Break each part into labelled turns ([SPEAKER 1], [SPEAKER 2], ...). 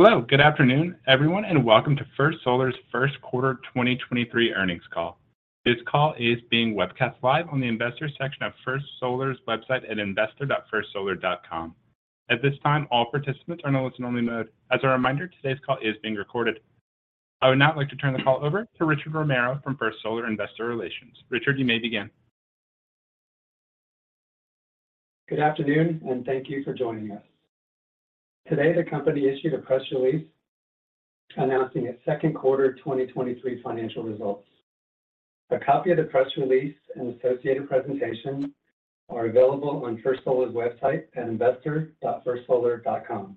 [SPEAKER 1] Hello, good afternoon, everyone, and welcome to First Solar's first quarter 2023 earnings call. This call is being webcast live on the Investors section of First Solar's website at investor.firstsolar.com. At this time, all participants are in a listen-only mode. As a reminder, today's call is being recorded. I would now like to turn the call over to Richard Romero from First Solar Investor Relations. Richard, you may begin.
[SPEAKER 2] Good afternoon, and thank you for joining us. Today, the company issued a press release announcing its second quarter 2023 financial results. A copy of the press release and associated presentation are available on First Solar's website at investor.firstsolar.com.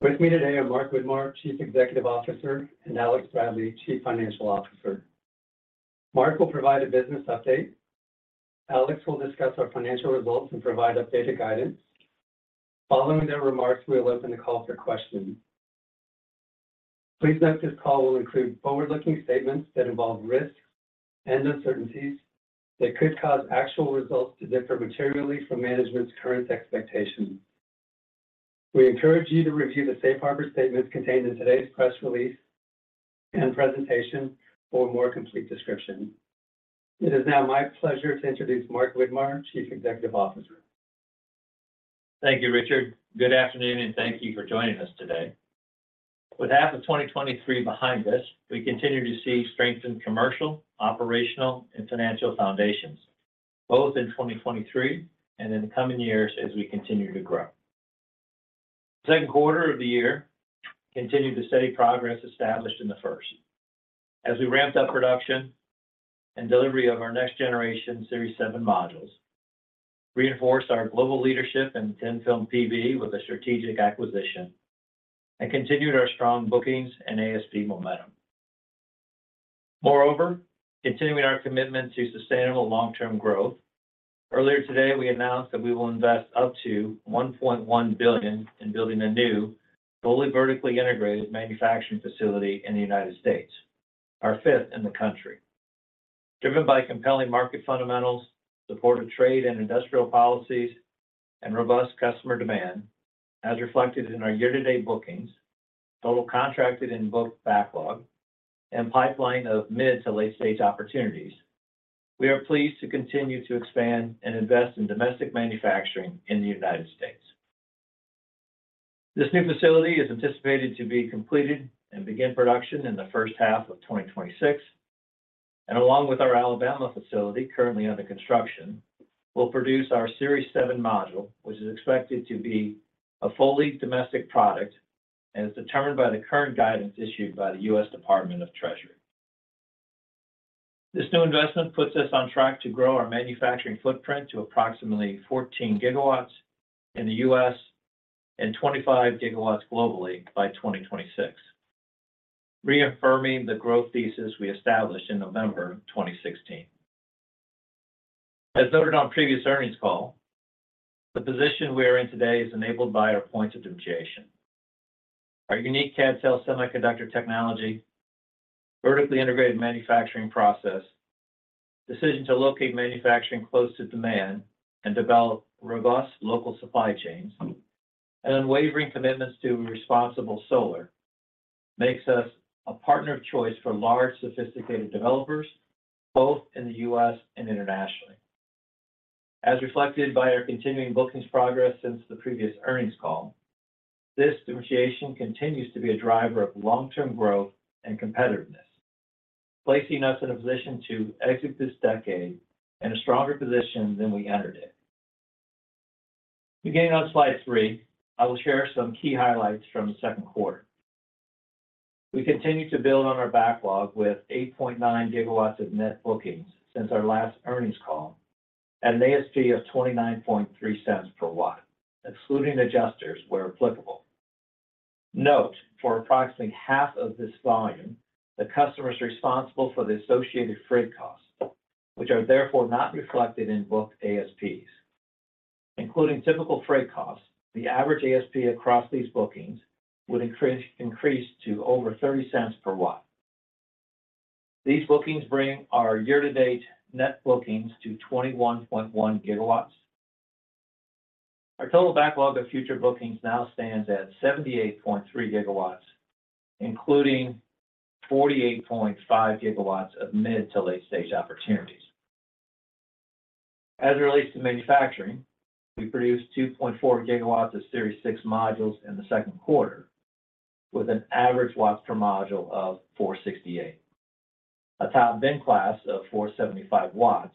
[SPEAKER 2] With me today are Mark Widmar, Chief Executive Officer, and Alex Bradley, Chief Financial Officer. Mark will provide a business update. Alex will discuss our financial results and provide updated guidance. Following their remarks, we will open the call for questions. Please note, this call will include forward-looking statements that involve risks and uncertainties that could cause actual results to differ materially from management's current expectations. We encourage you to review the safe harbor statements contained in today's press release and presentation for a more complete description. It is now my pleasure to introduce Mark Widmar, Chief Executive Officer.
[SPEAKER 3] Thank you, Richard. Good afternoon, and thank you for joining us today. With half of 2023 behind us, we continue to see strengthened commercial, operational, and financial foundations, both in 2023 and in the coming years as we continue to grow. Second Quarter of the year continued the steady progress established in the first as we ramped up production and delivery of our next Generation Series 7 modules, reinforced our global leadership in thin-film PV with a strategic acquisition, and continued our strong bookings and ASP momentum. Moreover, continuing our commitment to sustainable long-term growth, earlier today, we announced that we will invest up to $1.1 billion in building a new, fully vertically integrated manufacturing facility in the United States, our fifth in the country. Driven by compelling market fundamentals, supportive trade and industrial policies, and robust customer demand, as reflected in our year-to-date bookings, total contracted and booked backlog, and pipeline of mid- to late-stage opportunities, we are pleased to continue to expand and invest in domestic manufacturing in the United States. This new facility is anticipated to be completed and begin production in the first half 2026, and along with our Alabama facility, currently under construction, will produce our Series 7 module, which is expected to be a fully domestic product and is determined by the current guidance issued by the U.S. Department of the Treasury. This new investment puts us on track to grow our manufacturing footprint to approximately 14 GW in the US and 25 GW globally by 2026, reaffirming the growth thesis we established in November 2016. As noted on previous earnings call, the position we are in today is enabled by our points of differentiation. Our unique CadTel semiconductor technology, vertically integrated manufacturing process, decision to locate manufacturing close to demand and develop robust local supply chains, and unwavering commitments to responsible solar makes us a partner of choice for large, sophisticated developers, both in the US and internationally. As reflected by our continuing bookings progress since the previous earnings call, this differentiation continues to be a driver of long-term growth and competitiveness, placing us in a position to exit this decade in a stronger position than we entered it. Beginning on Slide 3, I will share some key highlights from the Second Quarter. We continue to build on our backlog with 8.9 GW of net bookings since our last earnings call, and an ASP of 29.3 cents per watt, excluding adjusters where applicable. Note, for approximately half of this volume, the customer is responsible for the associated freight costs, which are therefore not reflected in booked ASPs. Including typical freight costs, the average ASP across these bookings would increase, increase to over 30 cents per watt. These bookings bring our year-to-date net bookings to 21.1 GW. Our total backlog of future bookings now stands at 78.3 GW, including 48.5 GW of mid- to late-stage opportunities. As it relates to manufacturing, we produced 2.4 GW of Series 6 modules in the second quarter, with an average watts per module of 468, a top bin class of 475 watts,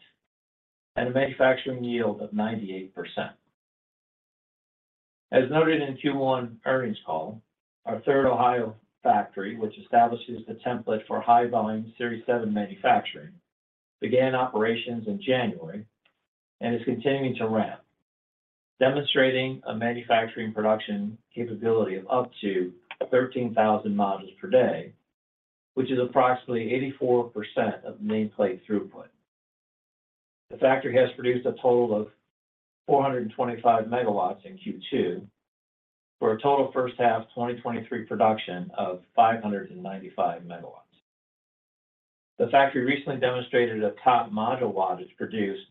[SPEAKER 3] and a manufacturing yield of 98%. As noted in Q1 earnings call, our third Ohio factory, which establishes the template for high-volume Series 7 manufacturing, began operations in January and is continuing to ramp, demonstrating a manufacturing production capability of up to 13,000 modules per day, which is approximately 84% of nameplate throughput. The factory has produced a total of 425 MW in Q2, for a total first half 2023 production of 595 MW. The factory recently demonstrated a top module wattage produced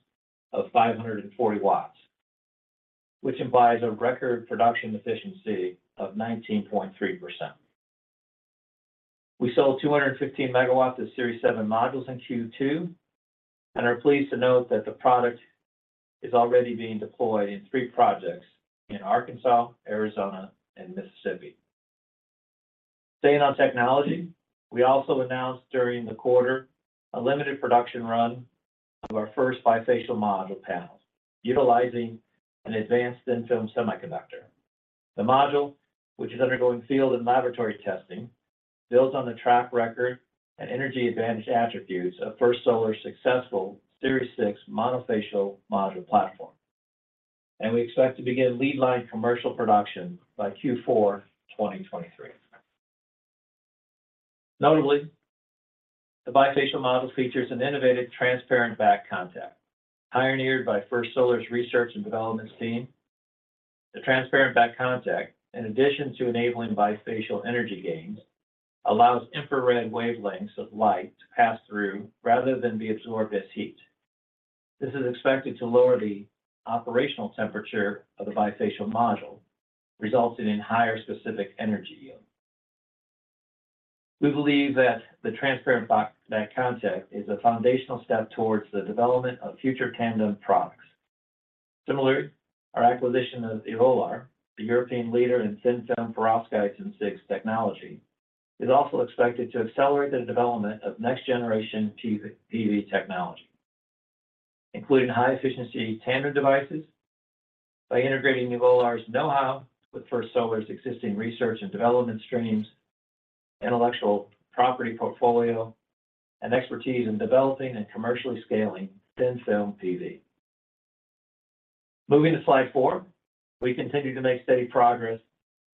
[SPEAKER 3] of 540 watts, which implies a record production efficiency of 19.3%. We sold 215 MW of Series 7 modules in Q2, and are pleased to note that the product is already being deployed in three projects in Arkansas, Arizona, and Mississippi. Staying on technology, we also announced during the quarter a limited production run of our first bifacial module panels, utilizing an advanced thin-film semiconductor. The module, which is undergoing field and laboratory testing, builds on the track record and energy advantage attributes of First Solar's successful Series 6 monofacial module platform, and we expect to begin lead line commercial production by Q4 2023. Notably, the bifacial module features an innovative, transparent back contact, pioneered by First Solar's research and development team. The transparent back contact, in addition to enabling bifacial energy gains, allows infrared wavelengths of light to pass through rather than be absorbed as heat. This is expected to lower the operational temperature of the bifacial module, resulting in higher specific energy yield. We believe that the transparent back contact is a foundational step towards the development of future tandem products. Similarly, our acquisition of Evolar, the European leader in thin-film perovskite-N and CIGS technology, is also expected to accelerate the development of next-generation PV technology, including high-efficiency tandem devices, by integrating Evolar's know-how with First Solar's existing research and development streams, intellectual property portfolio, and expertise in developing and commercially scaling thin-film PV. Moving to Slide 4, we continue to make steady progress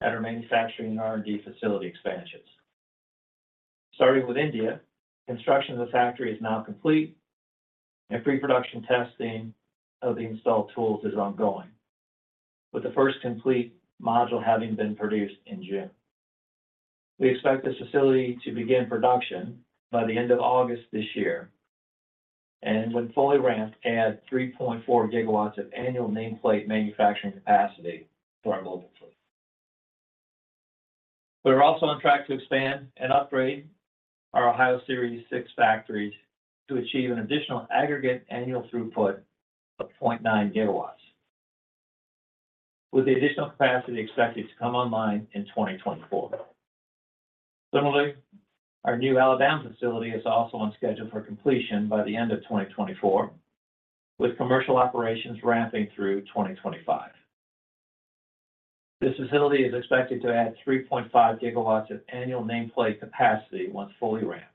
[SPEAKER 3] at our manufacturing and R&D facility expansions. Starting with India, construction of the factory is now complete, and pre-production testing of the installed tools is ongoing, with the first complete module having been produced in June. We expect this facility to begin production by the end of August this year, and when fully ramped, add 3.4 GW of annual nameplate manufacturing capacity to our global fleet. We are also on track to expand and upgrade our Ohio Series 6 factories to achieve an additional aggregate annual throughput of 0.9 GW, with the additional capacity expected to come online in 2024. Similarly, our new Alabama facility is also on schedule for completion by the end of 2024, with commercial operations ramping through 2025. This facility is expected to add 3.5 GW of annual nameplate capacity once fully ramped,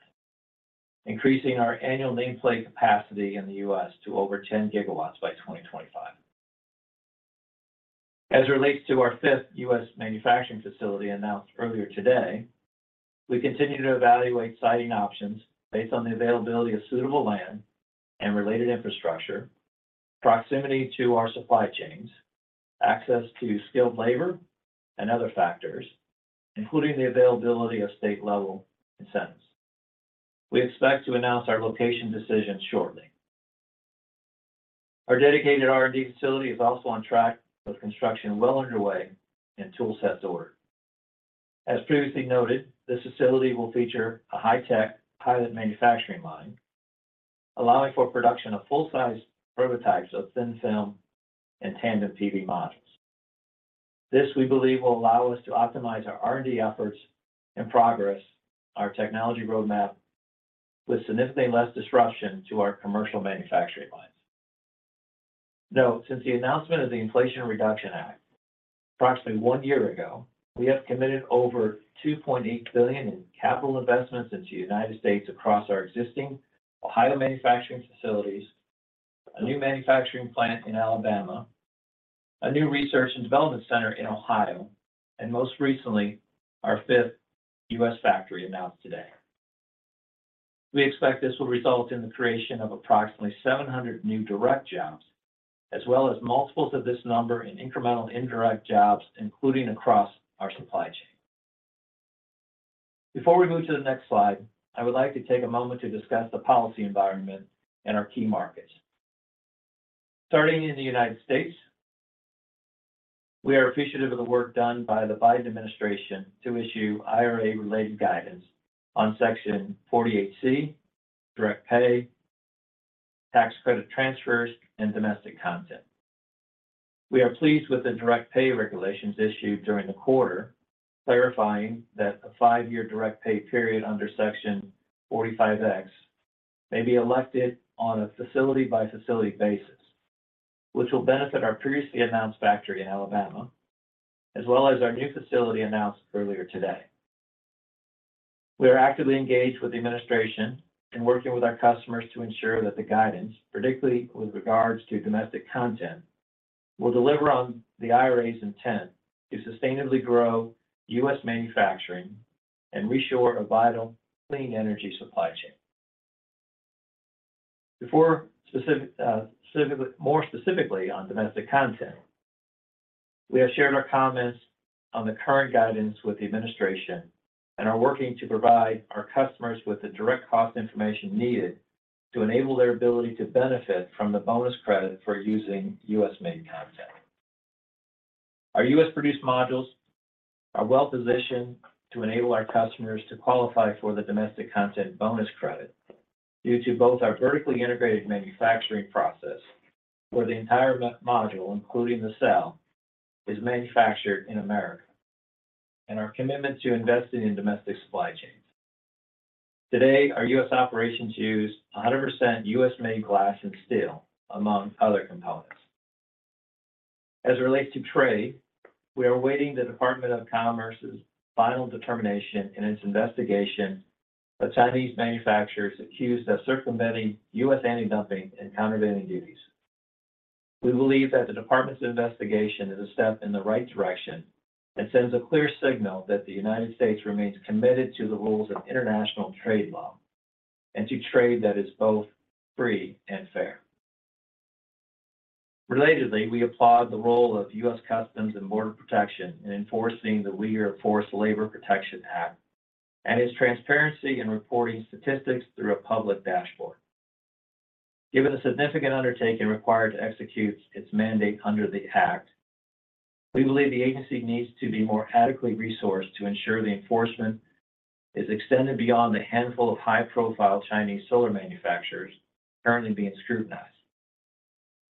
[SPEAKER 3] increasing our annual nameplate capacity in the US to over 10 GW by 2025. As it relates to our fifth US manufacturing facility announced earlier today, we continue to evaluate siting options based on the availability of suitable land and related infrastructure, proximity to our supply chains, access to skilled labor, and other factors, including the availability of state-level incentives. We expect to announce our location decision shortly. Our dedicated R&D facility is also on track, with construction well underway and tool sets ordered. As previously noted, this facility will feature a high-tech pilot manufacturing line, allowing for production of full-size prototypes of thin-film and tandem PV modules. This, we believe, will allow us to optimize our R&D efforts and progress our technology roadmap with significantly less disruption to our commercial manufacturing lines. Note, since the announcement of the Inflation Reduction Act, approximately one year ago, we have committed over $2.8 billion in capital investments into United States across our existing Ohio manufacturing facilities, a new manufacturing plant in Alabama, a new research and development center in Ohio, and most recently, our fifth U.S. factory announced today. We expect this will result in the creation of approximately 700 new direct jobs, as well as multiples of this number in incremental indirect jobs, including across our supply chain. Before we move to the next slide, I would like to take a moment to discuss the policy environment in our key markets. Starting in the United States, we are appreciative of the work done by the Biden administration to issue IRA-related guidance on Section 48C, direct pay, tax credit transfers, and domestic content. We are pleased with the direct pay regulations issued during the quarter, clarifying that the five-year direct pay period under Section 45X may be elected on a facility-by-facility basis, which will benefit our previously announced factory in Alabama, as well as our new facility announced earlier today. We are actively engaged with the administration and working with our customers to ensure that the guidance, particularly with regards to domestic content, will deliver on the IRA's intent to sustainably grow US manufacturing and reshore a vital clean energy supply chain. Before specific, specifically, more specifically on domestic content, we have shared our comments on the current guidance with the administration and are working to provide our customers with the direct cost information needed to enable their ability to benefit from the bonus credit for using US-made content. Our U.S.-produced modules are well-positioned to enable our customers to qualify for the domestic content bonus credit, due to both our vertically integrated manufacturing process, where the entire module, including the cell, is manufactured in America, and our commitment to investing in domestic supply chains. Today, our U.S. operations use 100% U.S.-made glass and steel, among other components. As it relates to trade, we are awaiting the Department of Commerce's final determination in its investigation of Chinese manufacturers accused of circumventing U.S. antidumping and countervailing duties. We believe that the department's investigation is a step in the right direction and sends a clear signal that the United States remains committed to the rules of international trade law and to trade that is both free and fair. Relatedly, we applaud the role of U.S. Customs and Border Protection in enforcing the Uyghur Forced Labor Prevention Act, and its transparency in reporting statistics through a public dashboard. Given the significant undertaking required to execute its mandate under the Act, we believe the agency needs to be more adequately resourced to ensure the enforcement is extended beyond the handful of high-profile Chinese solar manufacturers currently being scrutinized.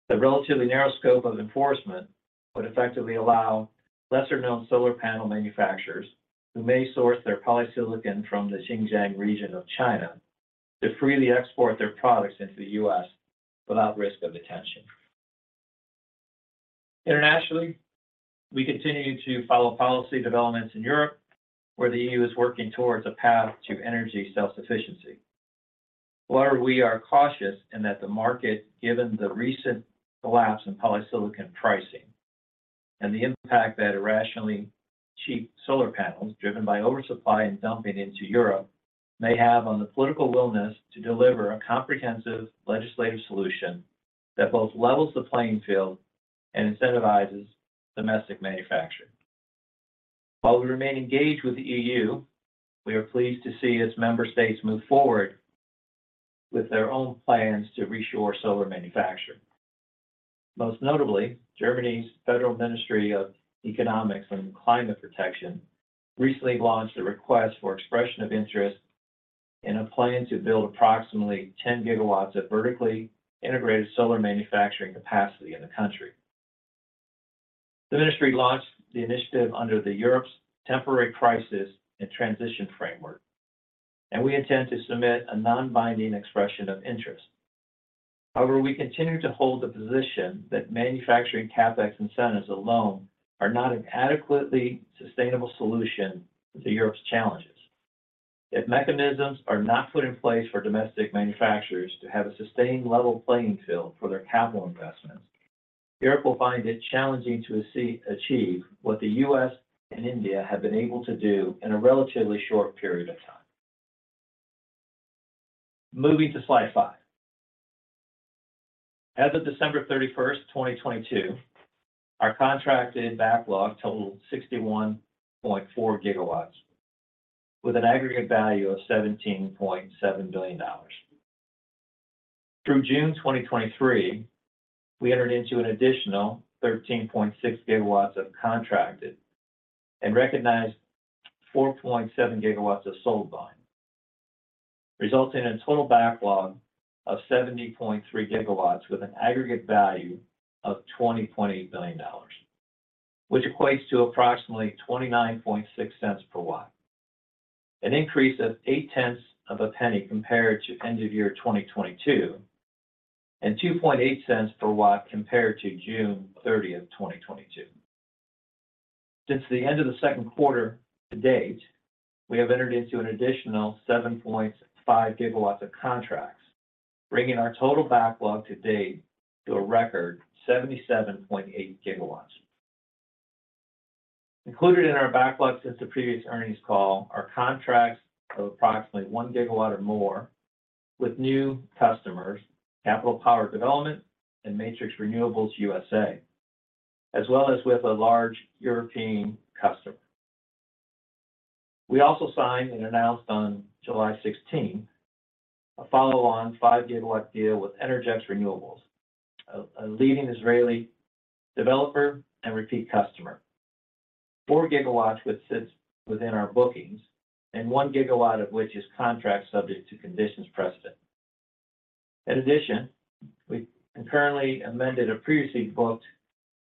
[SPEAKER 3] The relatively narrow scope of enforcement would effectively allow lesser-known solar panel manufacturers, who may source their polysilicon from the Xinjiang region of China, to freely export their products into the U.S. without risk of detention. Internationally, we continue to follow policy developments in Europe, where the EU is working towards a path to energy self-sufficiency. However, we are cautious in that the market, given the recent collapse in polysilicon pricing and the impact that irrationally cheap solar panels, driven by oversupply and dumping into Europe, may have on the political wellness to deliver a comprehensive legislative solution that both levels the playing field and incentivizes domestic manufacturing. While we remain engaged with the EU, we are pleased to see its member states move forward with their own plans to reshore solar manufacture. Most notably, Germany's Federal Ministry of Economics and Climate Protection recently launched a request for expression of interest in a plan to build approximately 10 GW of vertically integrated solar manufacturing capacity in the country. The ministry launched the initiative under the Europe's Temporary Crisis and Transition Framework, and we intend to submit a non-binding expression of interest. However, we continue to hold the position that manufacturing CapEx incentives alone are not an adequately sustainable solution to Europe's challenges. If mechanisms are not put in place for domestic manufacturers to have a sustained level playing field for their capital investments, Europe will find it challenging to achieve what the US and India have been able to do in a relatively short period of time. Moving to Slide 5. As of December 31, 2022, our contracted backlog totaled 61.4 GW, with an aggregate value of $17.7 billion. Through June 2023, we entered into an additional 13.6 GW of contracted and recognized 4.7 GW of sold volume, resulting in a total backlog of 70.3 GW with an aggregate value of $20.8 billion, which equates to approximately $0.296 per watt. An increase of $0.008 compared to end of year 2022, and $0.028 per watt compared to June 30th, 2022. Since the end of the Second Quarter to date, we have entered into an additional 7.5 GW of contracts, bringing our total backlog to date to a record 77.8 GW. Included in our backlog since the previous earnings call are contracts of approximately 1 GW or more, with new customers, Capital Power Development and Matrix Renewables USA, as well as with a large European customer. We also signed and announced on July 16th, a follow-on 5 GW deal with Energix Renewables, a leading Israeli developer and repeat customer. 4 GW which sits within our bookings, and 1 GW of which is contract subject to conditions precedent. In addition, we concurrently amended a previously booked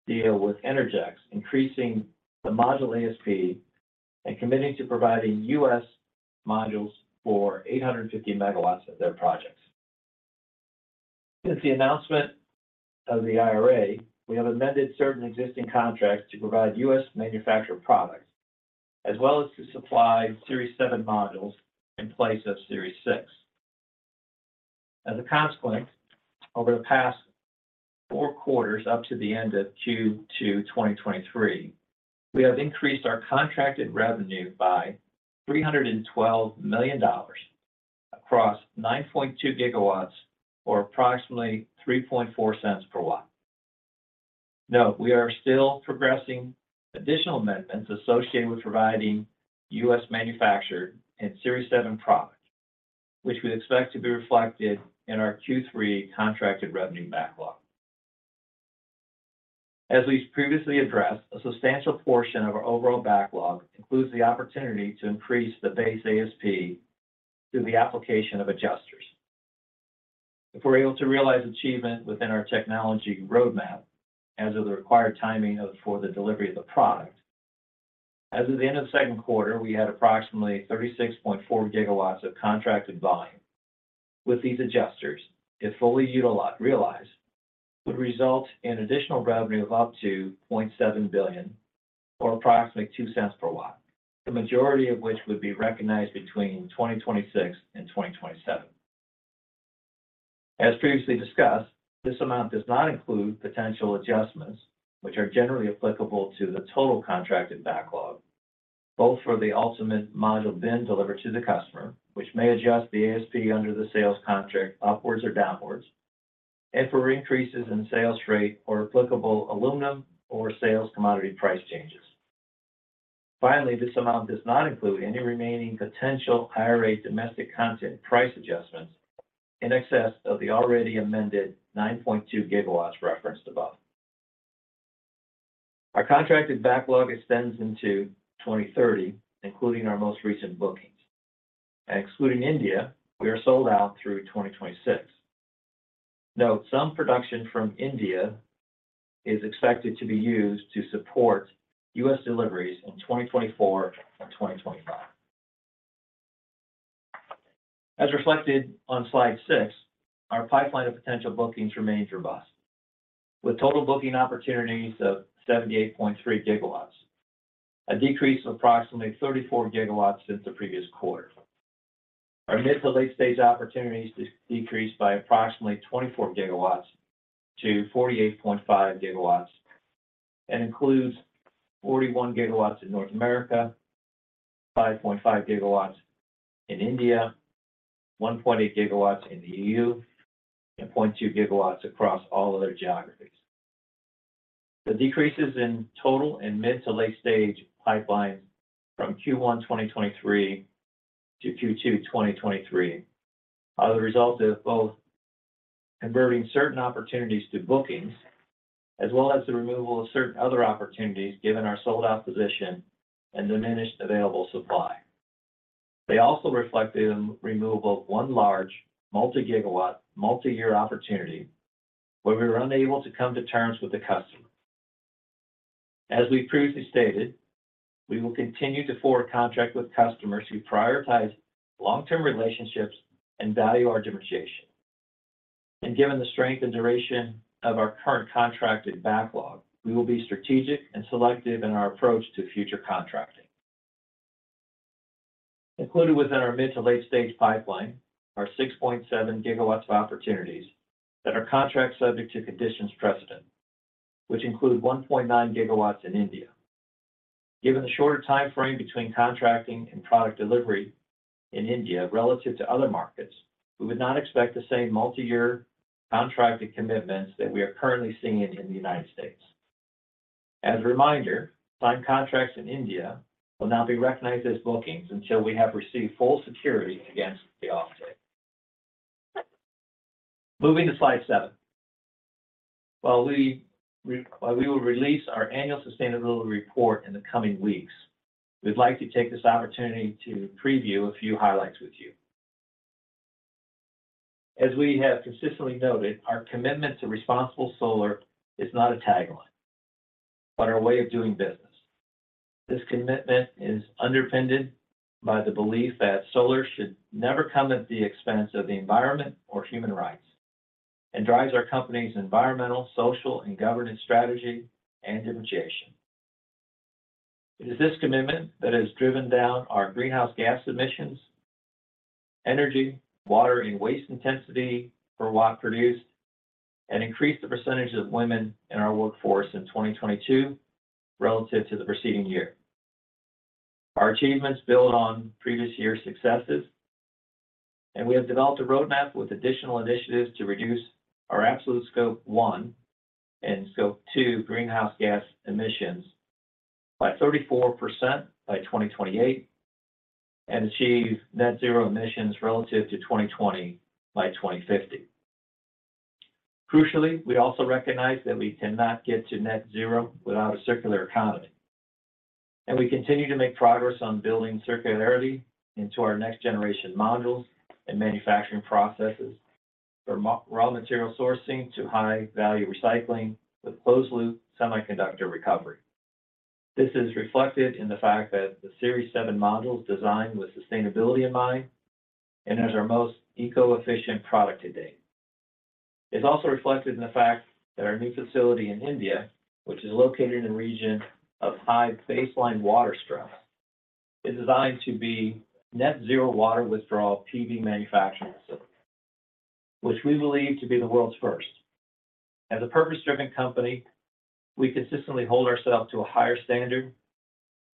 [SPEAKER 3] deal with Energix, increasing the module ASP and committing to providing US modules for 850 MW of their projects. Since the announcement of the IRA, we have amended certain existing contracts to provide US-manufactured products, as well as to supply Series 7 modules in place of Series 6. As a consequence, over the past four quarters up to the end of Q2 2023, we have increased our contracted revenue by $312 million across 9.2 GW, or approximately $0.034 per watt. Note, we are still progressing additional amendments associated with providing US manufactured and Series 7 products, which we expect to be reflected in our Q3 contracted revenue backlog. As we've previously addressed, a substantial portion of our overall backlog includes the opportunity to increase the base ASP through the application of adjusters. If we're able to realize achievement within our technology roadmap, as is the required timing for the delivery of the product. As of the end of the Second Quarter, we had approximately 36.4 GW of contracted volume. With these adjusters, if fully realized, would result in additional revenue of up to $0.7 billion or approximately $0.02 per watt, the majority of which would be recognized between 2026 and 2027. As previously discussed, this amount does not include potential adjustments, which are generally applicable to the total contracted backlog, both for the ultimate module then delivered to the customer, which may adjust the ASP under the sales contract upwards or downwards, and for increases in sales rate or applicable aluminum or sales commodity price changes. Finally, this amount does not include any remaining potential higher rate domestic content price adjustments in excess of the already amended 9.2 GW referenced above. Our contracted backlog extends into 2030, including our most recent bookings. Excluding India, we are sold out through 2026. Note, some production from India is expected to be used to support US deliveries in 2024 and 2025. As reflected on Slide 6, our pipeline of potential bookings remains robust, with total booking opportunities of 78.3 GW, a decrease of approximately 34 GW since the previous quarter. Our mid to late stage opportunities decreased by approximately 24 GW to 48.5 GW and includes 41 GW in North America, 5.5 GW in India, 1.8 GW in the EU, and 0.2 GW across all other geographies. The decreases in total and mid to late stage pipelines from Q1 2023 to Q2 2023 are the result of both converting certain opportunities to bookings, as well as the removal of certain other opportunities, given our sold-out position and diminished available supply. They also reflect the removal of one large multi-gigawatt, multi-year opportunity, where we were unable to come to terms with the customer. As we previously stated, we will continue to forward contract with customers who prioritize long-term relationships and value our differentiation. Given the strength and duration of our current contracted backlog, we will be strategic and selective in our approach to future contracting. Included within our mid to late stage pipeline are 6.7 GW of opportunities that are contract subject to conditions precedent, which include 1.9 GW in India. Given the shorter timeframe between contracting and product delivery in India relative to other markets, we would not expect the same multi-year contracted commitments that we are currently seeing in the United States. As a reminder, signed contracts in India will now be recognized as bookings until we have received full security against the offset. Moving to Slide 7. While we will release our annual sustainability report in the coming weeks, we'd like to take this opportunity to preview a few highlights with you. As we have consistently noted, our commitment to responsible solar is not a tagline, but our way of doing business. This commitment is underpinned by the belief that solar should never come at the expense of the environment or human rights, and drives our company's environmental, social, and governance strategy and differentiation. It is this commitment that has driven down our greenhouse gas emissions, energy, water, and waste intensity per watt produced, and increased the percentage of women in our workforce in 2022 relative to the preceding year. Our achievements build on previous year's successes. We have developed a roadmap with additional initiatives to reduce our absolute Scope 1 and Scope 2 greenhouse gas emissions by 34% by 2028, and achieve net zero emissions relative to 2020 by 2050. Crucially, we also recognize that we cannot get to net zero without a circular economy, and we continue to make progress on building circularity into our next generation modules and manufacturing processes, for raw material sourcing to high value recycling with closed loop semiconductor recovery. This is reflected in the fact that the Series 7 modules designed with sustainability in mind, and is our most eco-efficient product to date. It's also reflected in the fact that our new facility in India, which is located in a region of high baseline water stress is designed to be net zero water withdrawal PV manufacturing facility, which we believe to be the world's first. As a purpose-driven company, we consistently hold ourselves to a higher standard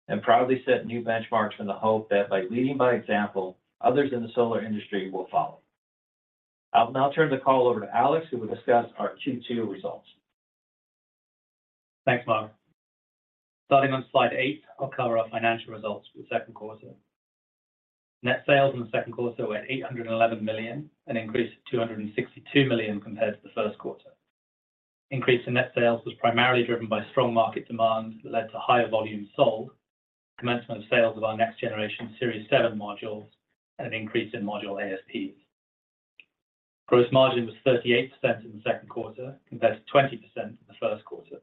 [SPEAKER 3] and proudly set new benchmarks in the hope that by leading by example, others in the solar industry will follow. I'll now turn the call over to Alex, who will discuss our Q2 results.
[SPEAKER 4] Thanks, Mark. Starting on Slide 8, I'll cover our financial results for the Second Quarter. Net sales in the Second Quarter were $811 million, an increase of $262 million compared to the first quarter. Increase in net sales was primarily driven by strong market demand that led to higher volume sold, commencement of sales of our next generation Series 7 modules, and an increase in module ASPs. Gross margin was 38% in the Second Quarter, compared to 20% in the first quarter.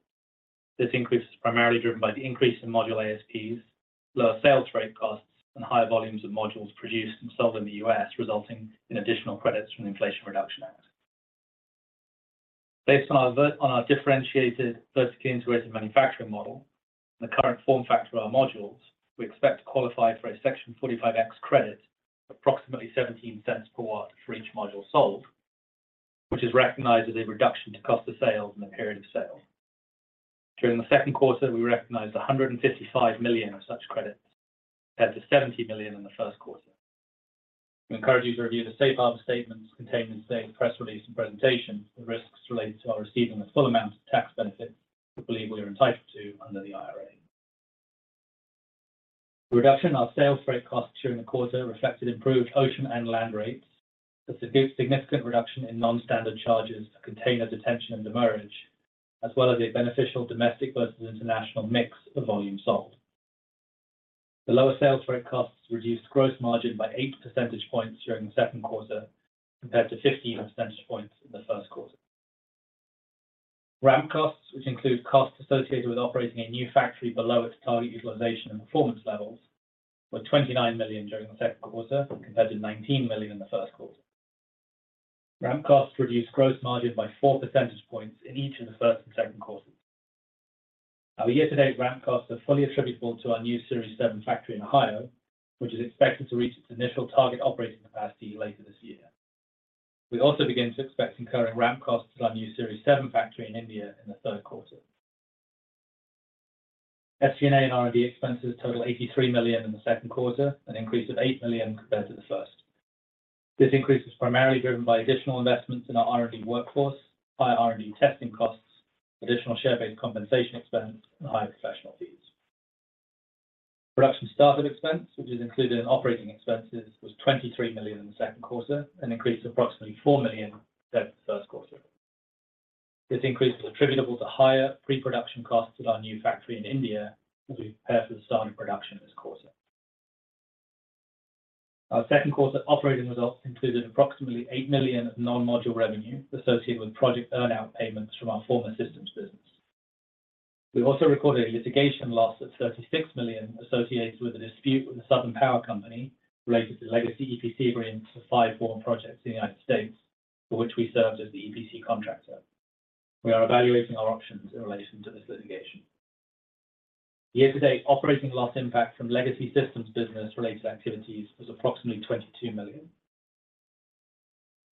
[SPEAKER 4] This increase is primarily driven by the increase in module ASPs, lower sales rate costs, and higher volumes of modules produced and sold in the US, resulting in additional credits from the Inflation Reduction Act. Based on our on our differentiated, vertically integrated manufacturing model and the current form factor of our modules, we expect to qualify for a Section 45X credit, approximately $0.17 per watt for each module sold, which is recognized as a reduction to cost of sales in the period of sale. During the second quarter, we recognized $155 million of such credits, compared to $70 million in the first quarter. We encourage you to review the safe harbor statements contained in today's press release and presentation, the risks related to our receiving the full amount of tax benefit, we believe we are entitled to under the IRA. The reduction of sales rate costs during the quarter reflected improved ocean and land rates, a significant reduction in non-standard charges to container detention and demurrage, as well as a beneficial domestic versus international mix of volume sold. The lower sales rate costs reduced gross margin by 8 percentage points during the second quarter, compared to 15 percentage points in the first quarter. Ramp costs, which include costs associated with operating a new factory below its target utilization and performance levels, were $29 million during the second quarter, compared to $19 million in the first quarter. Ramp costs reduced gross margin by 4 percentage points in each of the first and second quarters. Our year-to-date ramp costs are fully attributable to our new Series 7 factory in Ohio, which is expected to reach its initial target operating capacity later this year. We also begin to expect incurring ramp costs at our new Series 7 factory in India in the third quarter. SG&A and R&D expenses totaled $83 million in the second quarter, an increase of $8 million compared to the first. This increase is primarily driven by additional investments in our R&D workforce, higher R&D testing costs, additional share-based compensation expense, and higher professional fees. Production startup expense, which is included in operating expenses, was $23 million in the Second Quarter, an increase of approximately $4 million compared to the First Quarter. This increase was attributable to higher pre-production costs at our new factory in India as we prepare for the start of production this quarter. Our Second Quarter operating results included approximately $8 million of non-module revenue associated with project earn-out payments from our former systems business. We also recorded a litigation loss of $36 million associated with a dispute with the Southern Power Company related to legacy EPC agreements for 5 foreign projects in the United States, for which we served as the EPC contractor. We are evaluating our options in relation to this litigation. The year-to-date operating loss impact from legacy systems business-related activities was approximately $22 million.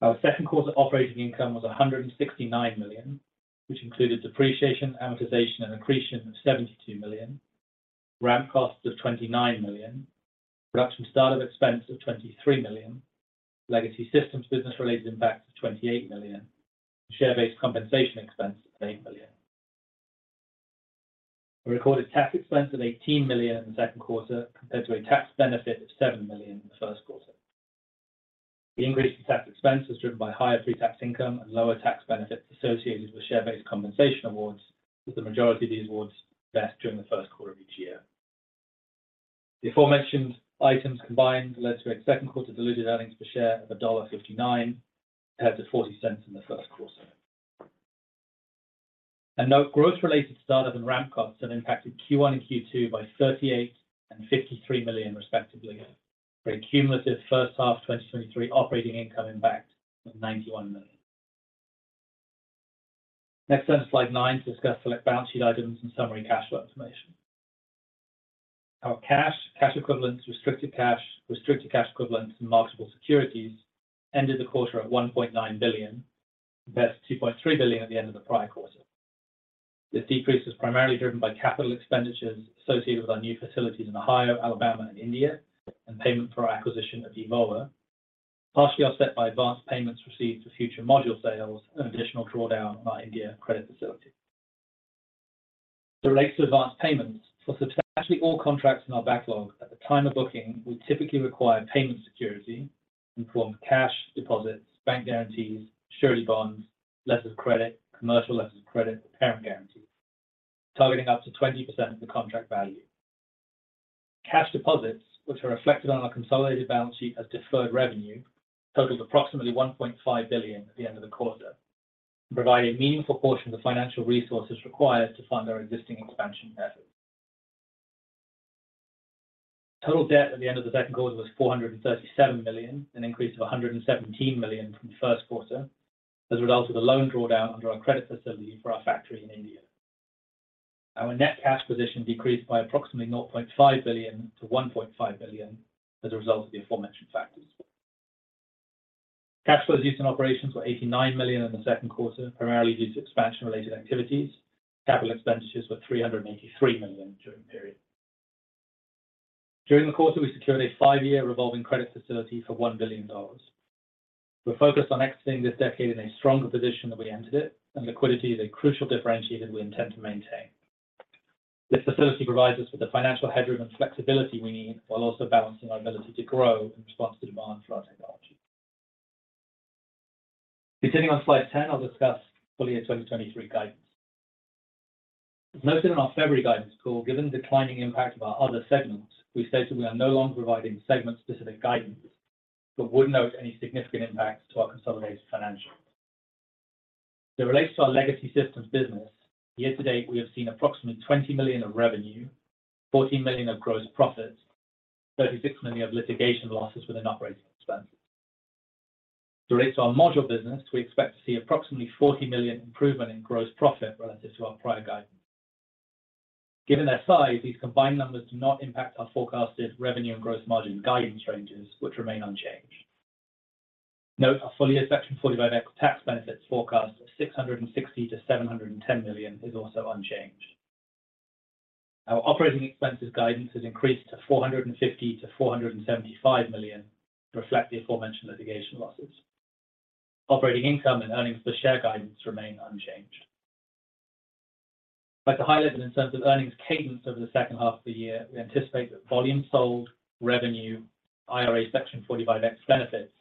[SPEAKER 4] Our Second Quarter operating income was $169 million, which included depreciation, amortization, and accretion of $72 million, ramp costs of $29 million, production start of expense of $23 million, legacy systems business related impacts of $28 million, share-based compensation expense of $8 million. We recorded tax expense of $18 million in the Second Quarter, compared to a tax benefit of $7 million in the first quarter. The increase in tax expense was driven by higher pre-tax income and lower tax benefits associated with share-based compensation awards, with the majority of these awards vested during the first quarter of each year. The aforementioned items combined led to a Second Quarter diluted earnings per share of $1.59, compared to $0.40 in the first quarter. Note, growth related to start-up and ramp costs have impacted Q1 and Q2 by 38 and $53 million, respectively, for a cumulative first half 2023 operating income impact of $91 million. Next turn to slide nine to discuss select balance sheet items and summary cash flow information. Our cash, cash equivalents, restricted cash, restricted cash equivalents, and marketable securities ended the quarter at $1.9 billion, compared to $2.3 billion at the end of the prior quarter. This decrease is primarily driven by capital expenditures associated with our new facilities in Ohio, Alabama, and India, and payment for our acquisition of Evolar, partially offset by advanced payments received for future module sales and additional drawdown on our India credit facility. To relate to advanced payments, for substantially all contracts in our backlog at the time of booking, we typically require payment security in the form of cash deposits, bank guarantees, surety bonds, letters of credit, commercial letters of credit, and parent guarantees, targeting up to 20% of the contract value. Cash deposits, which are reflected on our consolidated balance sheet as deferred revenue, totaled approximately $1.5 billion at the end of the quarter, providing a meaningful portion of the financial resources required to fund our existing expansion efforts. Total debt at the end of the Second Quarter was $437 million, an increase of $117 million from the First Quarter, as a result of the loan drawdown under our credit facility for our factory in India. Our net cash position decreased by approximately $0.5 billion to $1.5 billion as a result of the aforementioned factors. Cash flows used in operations were $89 million in the second quarter, primarily due to expansion-related activities. Capital expenditures were $383 million during the period. During the quarter, we secured a five-year revolving credit facility for $1 billion. We're focused on exiting this decade in a stronger position than we entered it, and liquidity is a crucial differentiator we intend to maintain. This facility provides us with the financial headroom and flexibility we need, while also balancing our ability to grow in response to demand for our technology. Continuing on Slide 10, I'll discuss full-year 2023 guidance. As noted in our February guidance call, given the declining impact of our other segments, we stated we are no longer providing segment-specific guidance but would note any significant impacts to our consolidated financials. As it relates to our legacy systems business, year-to-date, we have seen approximately $20 million of revenue, $14 million of gross profit, $36 million of litigation losses within operating expenses. To relate to our module business, we expect to see approximately $40 million improvement in gross profit relative to our prior guidance. Given their size, these combined numbers do not impact our forecasted revenue and gross margin guidance ranges, which remain unchanged. Note, our full year Section 45X tax benefits forecast of $660 million-$710 million is also unchanged. Our operating expenses guidance has increased to $450 million-$475 million to reflect the aforementioned litigation losses. Operating income and earnings per share guidance remain unchanged. I'd like to highlight that in terms of earnings cadence over the second half of the year, we anticipate that volume sold, revenue, IRA Section 45X benefits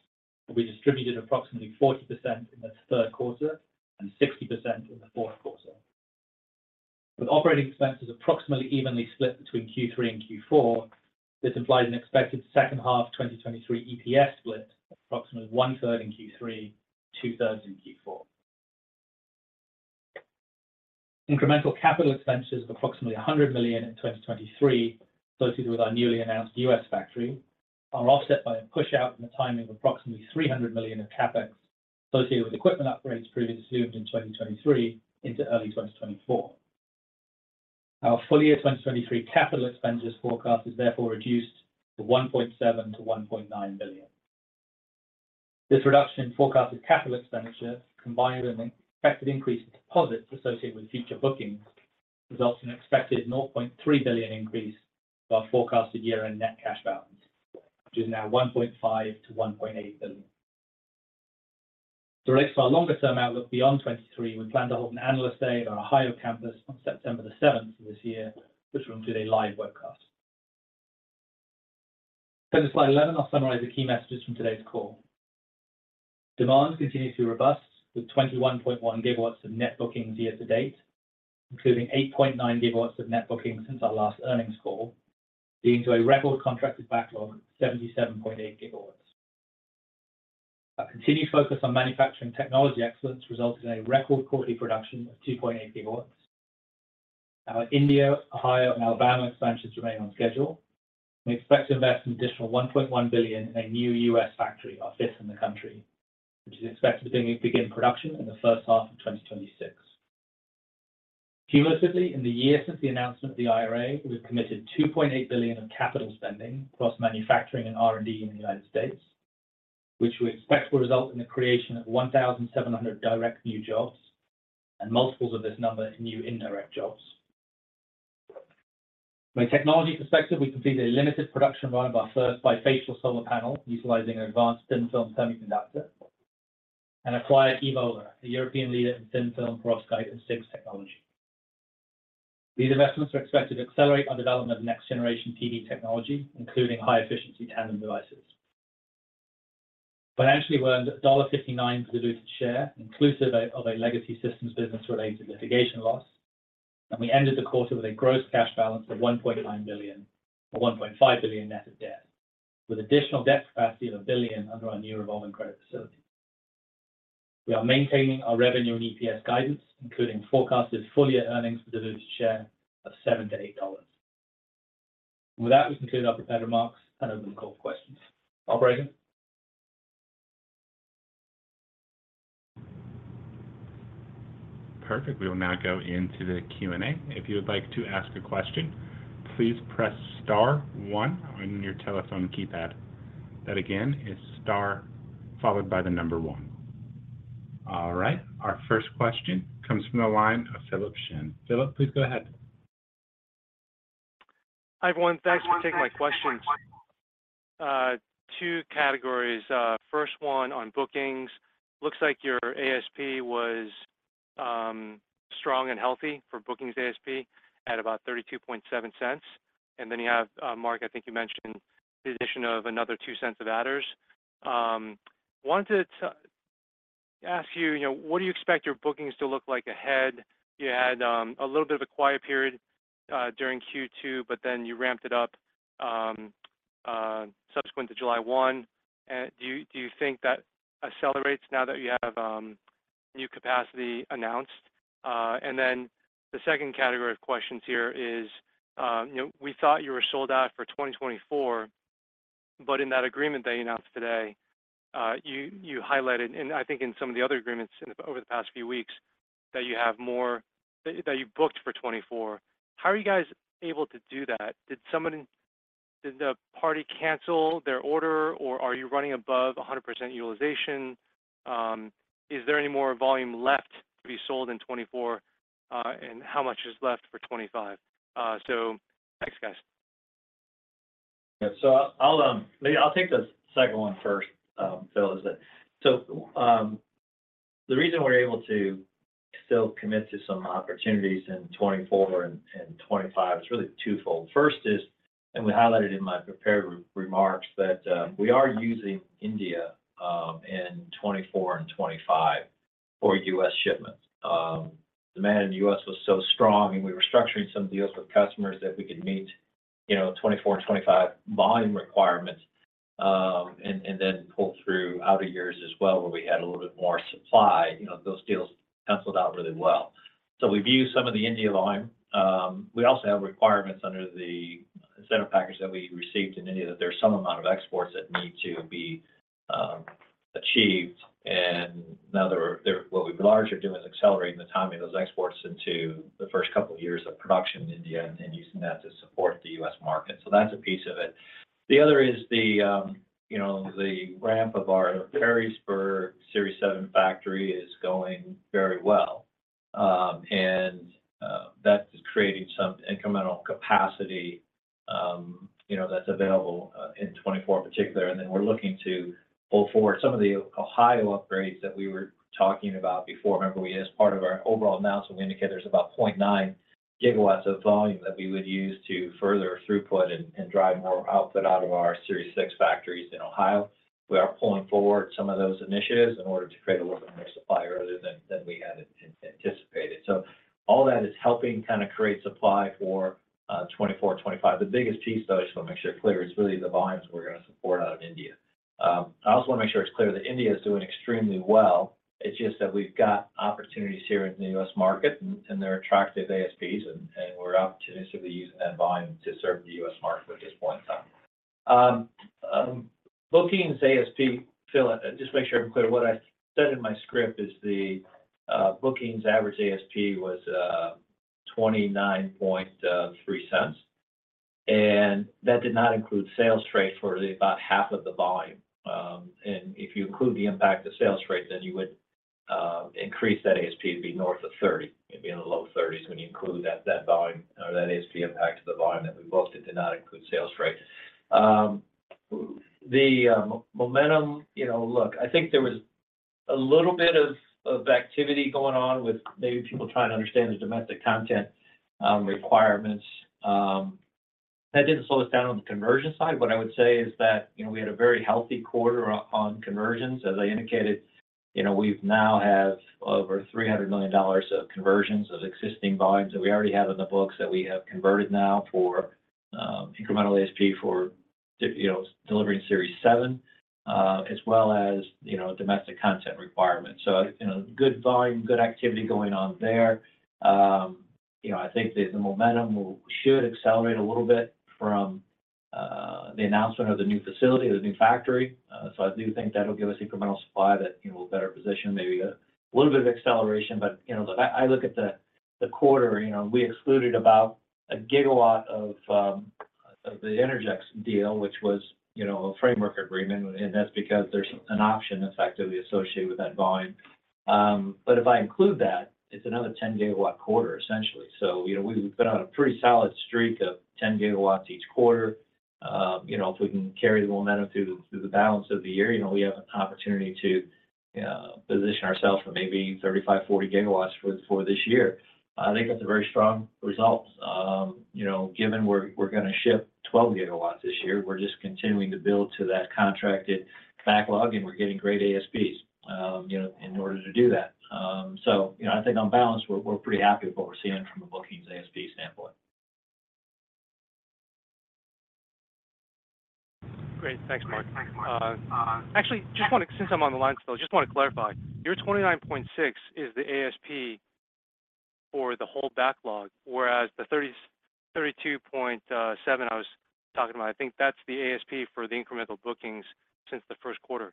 [SPEAKER 4] will be distributed approximately 40% in the third quarter and 60% in the fourth quarter. With operating expenses approximately evenly split between Q3 and Q4, this implies an expected second half 2023 EPS split of approximately 1/3 in Q3, 2/3 in Q4. Incremental capital expenses of approximately $100 million in 2023, associated with our newly announced US factory, are offset by a pushout in the timing of approximately $3 million in CapEx, associated with equipment upgrades previously assumed in 2023 into early 2024. Our full-year 2023 capital expenses forecast is therefore reduced to $1.7 billion-$1.9 billion. This reduction in forecasted capital expenditure, combined with an expected increase in deposits associated with future bookings, results in an expected $0.3 billion increase to our forecasted year-end net cash balance, which is now $1.5 billion-$1.8 billion. To relate to our longer-term outlook beyond 2023, we plan to hold an Analyst Day at our Ohio campus on September 7th of this year, which will include a live webcast. Turning to Slide 11, I'll summarize the key messages from today's call. Demand continues to be robust, with 21.1 GW of net bookings year-to-date, including 8.9 GW of net bookings since our last earnings call, leading to a record contracted backlog of 77.8 GW. Our continued focus on manufacturing technology excellence resulted in a record quarterly production of 2.8 GW. Our India, Ohio, and Alabama expansions remain on schedule. We expect to invest an additional $1.1 billion in a new US manufacturing facility, our fifth in the country, which is expected to begin production in the first half of 2026. Cumulatively, in the year since the announcement of the IRA, we've committed $2.8 billion of capital spending across manufacturing and R&D in the United States, which we expect will result in the creation of 1,700 direct new jobs and multiples of this number in new indirect jobs. From a technology perspective, we completed a limited production run of our first bifacial solar panel utilizing an advanced thin-film semiconductor and acquired Evolar AB, a European leader in thin-film perovskite and CIGS technology. These investments are expected to accelerate our development of next-generation PV technology, including high-efficiency tandem devices. Financially, we earned $1.59 per diluted share, inclusive of a legacy systems business-related litigation loss. We ended the quarter with a gross cash balance of $1.9 billion and $1.5 billion net of debt, with additional debt capacity of $1 billion under our new revolving credit facility. We are maintaining our revenue and EPS guidance, including forecasted full-year earnings per diluted share of $7-$8. With that, we conclude our prepared remarks and open the call for questions. Operator?
[SPEAKER 1] Perfect. We will now go into the Q&A. If you would like to ask a question, please press star one on your telephone keypad. That again is star followed by the number one. All right, our first question comes from the line of Philip Shen. Philip, please go ahead.
[SPEAKER 5] Hi, everyone. Thanks for taking my question. 2 categories. First one on bookings. Looks like your ASP was strong and healthy for bookings ASP at about $0.327. Then you have, Mark, I think you mentioned the addition of another $0.02 of adders. Wanted to ask you, you know, what do you expect your bookings to look like ahead? You had a little bit of a quiet period during Q2, but then you ramped it up subsequent to July 1. Do you, do you think that accelerates now that you have new capacity announced? Then the second category of questions here is, you know, we thought you were sold out for 2024.... In that agreement that you announced today, you, you highlighted, and I think in some of the other agreements in, over the past few weeks, that you have more, that, that you've booked for 2024. How are you guys able to do that? Did someone, did the party cancel their order, or are you running above 100% utilization? Is there any more volume left to be sold in 2024, and how much is left for 2025? Thanks, guys.
[SPEAKER 3] I'll maybe I'll take the second one first, Phil. The reason we're able to still commit to some opportunities in 2024 and 2025, it's really twofold. First is, and we highlighted in my prepared remarks, that we are using India in 2024 and 2025 for US shipments. Demand in the US was so strong, and we were structuring some deals with customers that we could meet, you know, 2024 and 2025 volume requirements, and then pull through outer years as well, where we had a little bit more supply. You know, those deals canceled out really well. We've used some of the India volume. We also have requirements under the incentive package that we received in India, that there's some amount of exports that need to be achieved. Now what we've largely are doing is accelerating the timing of those exports into the first couple of years of production in India and using that to support the US market. That's a piece of it. The other is the, you know, the ramp of our Perrysburg Series 7 factory is going very well. That is creating some incremental capacity, you know, that's available in 2024 in particular. Then we're looking to pull forward some of the Ohio upgrades that we were talking about before. Remember, we, as part of our overall announcement, we indicated there's about 0.9 GW of volume that we would use to further throughput and drive more output out of our Series 6 factories in Ohio. We are pulling forward some of those initiatives in order to create a little bit more supply earlier than we had anticipated. All that is helping kind of create supply for 2024, 2025. The biggest piece, though, I just want to make sure it's clear, is really the volumes we're going to support out of India. I also want to make sure it's clear that India is doing extremely well. It's just that we've got opportunities here in the US market, and they're attractive ASPs, and we're opportunistically using that volume to serve the US market at this point in time. Bookings ASP, Phil, just to make sure I'm clear, what I said in my script is the bookings average ASP was $0.293, and that did not include sales rate for the about half of the volume. And if you include the impact of sales rate, then you would increase that ASP to be north of 30, maybe in the low 30s, when you include that, that volume or that ASP impact to the volume that we booked, it did not include sales rate. The momentum, you know, look, I think there was a little bit of, of activity going on with maybe people trying to understand the domestic content requirements. That didn't slow us down on the conversion side. What I would say is that, you know, we had a very healthy quarter on, on conversions. As I indicated, you know, we've now have over $300 million of conversions of existing volumes that we already have in the books that we have converted now for, incremental ASP for you know, delivering Series 7, as well as, you know, domestic content requirements. You know, good volume, good activity going on there. You know, I think the, the momentum will, should accelerate a little bit from, the announcement of the new facility, the new factory. I do think that'll give us incremental supply that, you know, will better position maybe a little bit of acceleration. You know, look, I, I look at the, the quarter, you know, we excluded about 1 GW of the Enlight deal, which was, you know, a framework agreement, and that's because there's an option effectively associated with that volume. If I include that, it's another 10 GW quarter, essentially. You know, we've been on a pretty solid streak of 10 GW each quarter. You know, if we can carry the momentum through the, through the balance of the year, you know, we have an opportunity to position ourselves for maybe 35 GW-40 GW for this year. I think that's a very strong result. You know, given we're, we're gonna ship 12 GW this year, we're just continuing to build to that contracted backlog, and we're getting great ASPs, you know, in order to do that. You know, I think on balance, we're, we're pretty happy with what we're seeing from a bookings ASP standpoint.
[SPEAKER 5] Great. Thanks, Mark. Actually, just wanted, since I'm on the line still, just want to clarify. Your 29.6 is the ASP for the whole backlog, whereas the 32.7 I was talking about, I think that's the ASP for the incremental bookings since the first quarter.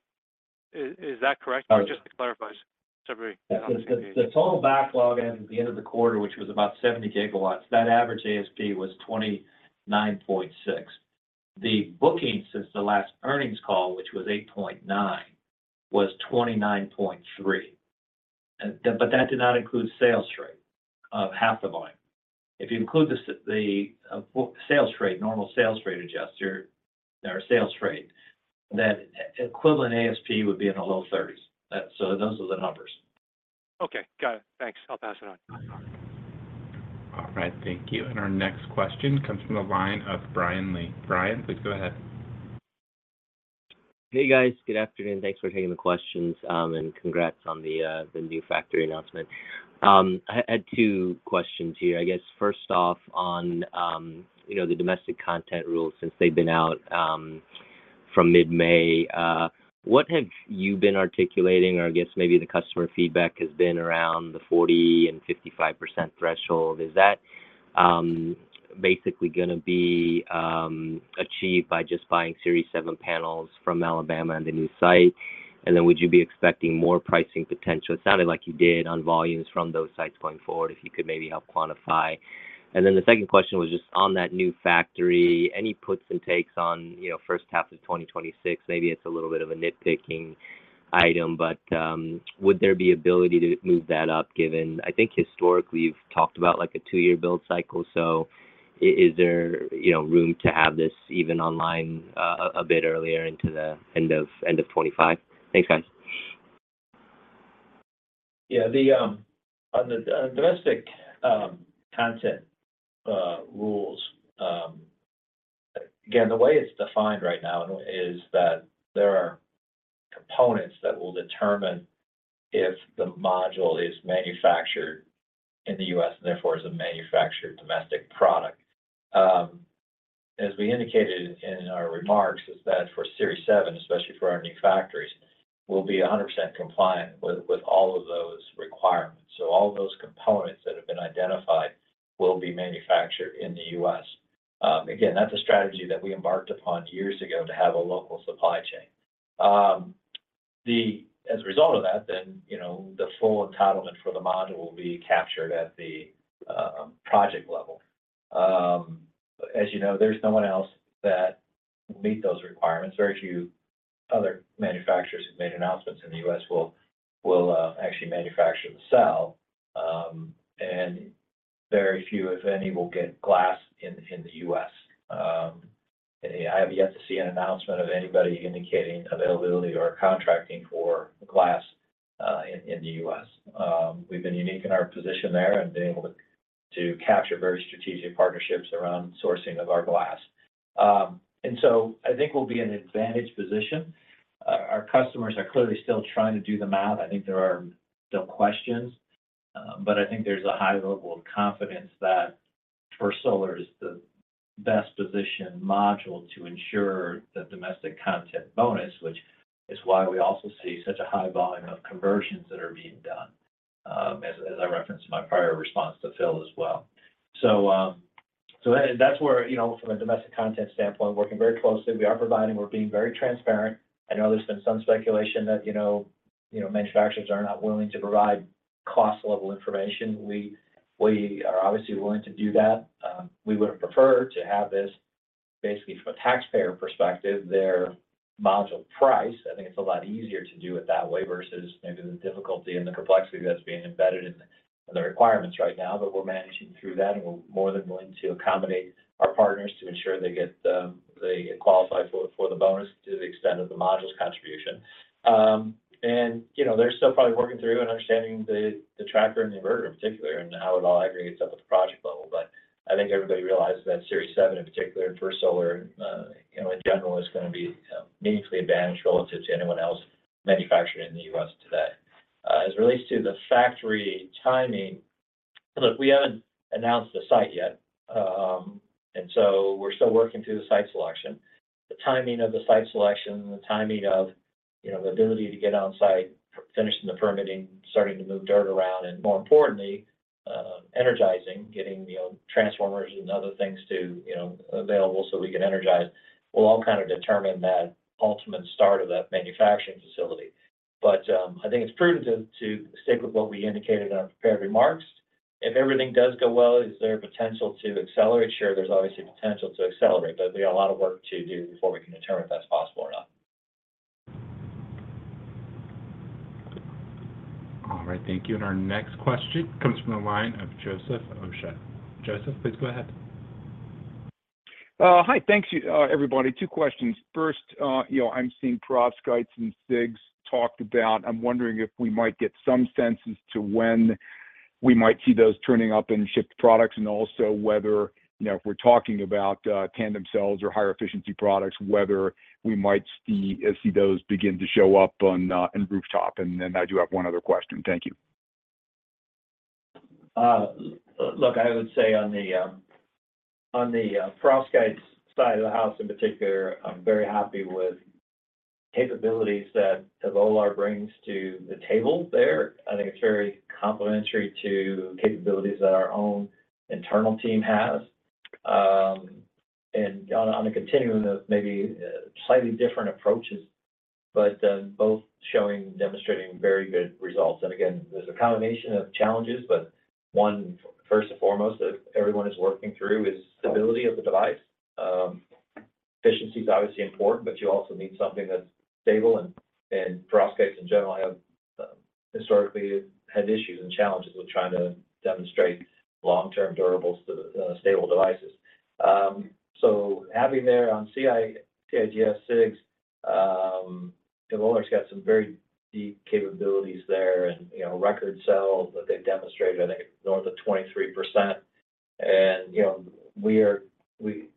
[SPEAKER 5] Is, is that correct?
[SPEAKER 3] Got it.
[SPEAKER 5] Just to clarify, so.
[SPEAKER 3] The total backlog at the end of the quarter, which was about 70 GW, that average ASP was $0.296. The bookings since the last earnings call, which was 8.9, was $0.293. That did not include sales rate of half the volume. If you include the sales rate, normal sales rate adjuster or sales rate, then equivalent ASP would be in the low $0.30s. Those are the numbers.
[SPEAKER 5] Okay, got it. Thanks. I'll pass it on.
[SPEAKER 1] All right. Thank you. Our next question comes from the line of Brian Lee. Brian, please go ahead.
[SPEAKER 6] Hey, guys. Good afternoon. Thanks for taking the questions, and congrats on the new factory announcement. I had two questions here. I guess first off, on, you know, the domestic content rules since they've been out from mid-May, what have you been articulating, or I guess maybe the customer feedback has been around the 40% and 55% threshold? Is that basically going to be achieved by just buying Series 7 panels from Alabama and the new site? And then would you be expecting more pricing potential? It sounded like you did on volumes from those sites going forward, if you could maybe help quantify. The second question was just on that new factory, any puts and takes on, you know, first half of 2026, maybe it's a little bit of a nitpicking item, but, would there be ability to move that up, given I think historically, you've talked about like a two-year build cycle. Is there, you know, room to have this even online, a bit earlier into the end of 2025? Thanks, guys.
[SPEAKER 3] Yeah, the, on the, domestic, content, rules, again, the way it's defined right now is that there are components that will determine if the module is manufactured in the U.S., therefore, is a manufactured domestic product. As we indicated in our remarks, is that for Series 7, especially for our new factories, we'll be 100% compliant with, with all of those requirements. All those components that have been identified will be manufactured in the U.S. again, that's a strategy that we embarked upon years ago to have a local supply chain. As a result of that then, you know, the full entitlement for the module will be captured at the project level. As you know, there's no one else that meet those requirements. Very few other manufacturers who've made announcements in the U.S. will, will actually manufacture the cell. Very few, if any, will get glass in, in the U.S. I have yet to see an announcement of anybody indicating availability or contracting for glass in, in the U.S. We've been unique in our position there and been able to, to capture very strategic partnerships around sourcing of our glass. I think we'll be in an advantaged position. Our, our customers are clearly still trying to do the math. I think there are still questions, but I think there's a high level of confidence that First Solar is the best-positioned module to ensure the domestic content bonus, which is why we also see such a high volume of conversions that are being done, as, as I referenced in my prior response to Phil as well. So that's where, you know, from a domestic content standpoint, working very closely, we are providing, we're being very transparent. I know there's been some speculation that, you know, you know, manufacturers are not willing to provide cost-level information. We, we are obviously willing to do that. We would have preferred to have this, basically, from a taxpayer perspective, their module price. I think it's a lot easier to do it that way versus maybe the difficulty and the complexity that's being embedded in the, the requirements right now. We're managing through that, and we're more than willing to accommodate our partners to ensure they get qualified for the bonus to the extent of the module's contribution. You know, they're still probably working through and understanding the tracker and the inverter, in particular, and how it all aggregates up at the project level. I think everybody realizes that Series 7, in particular, First Solar, you know, in general, is going to be meaningfully advantaged relative to anyone else manufacturing in the US today. As it relates to the factory timing, look, we haven't announced the site yet, and so we're still working through the site selection. The timing of the site selection, the timing of, you know, the ability to get on site, finishing the permitting, starting to move dirt around, and more importantly, energizing, getting, you know, transformers and other things to, you know, available so we can energize, will all determine that ultimate start of that manufacturing facility. I think it's prudent to stick with what we indicated in our prepared remarks. If everything does go well, is there a potential to accelerate? Sure, there's obviously potential to accelerate, but we got a lot of work to do before we can determine if that's possible or not.
[SPEAKER 1] All right, thank you. Our next question comes from the line of Joseph Osha. Joseph, please go ahead.
[SPEAKER 7] Hi. Thanks, you, everybody. Two questions. First, you know, I'm seeing perovskites and CIGS talked about. I'm wondering if we might get some sense as to when we might see those turning up in shipped products, and also whether, you know, if we're talking about, tandem cells or higher efficiency products, whether we might see, see those begin to show up on, in rooftop. I do have one other question. Thank you.
[SPEAKER 3] Look, I would say on the, on the perovskites side of the house in particular, I'm very happy with capabilities that Evolar brings to the table there. I think it's very complementary to capabilities that our own internal team has. And on, on a continuum of maybe, slightly different approaches, but both demonstrating very good results. And again, there's a combination of challenges, but one, first and foremost, that everyone is working through is stability of the device. Efficiency is obviously important, but you also need something that's stable, and perovskites in general have historically had issues and challenges with trying to demonstrate long-term, durable, stable devices. So having there on CIGS, Evolar's got some very deep capabilities there and, you know, record cells that they've demonstrated, I think, north of 23%. You know, we are, we